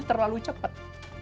ini terlalu cepat